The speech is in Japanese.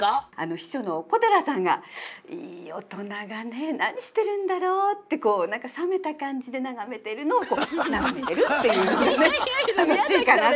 秘書の小寺さんが「いい大人がね何してるんだろう」ってこう何か冷めた感じで眺めてるのを眺めてるっていうのが楽しいかなって。